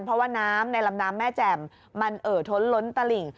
เพราะว่าน้ำในลำน้ำแม่แจ่มมันเอ่อท้นล้นตลิ่ง